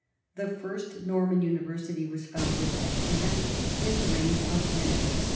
The first Norman university was founded at Caen in the reign of Henry VI.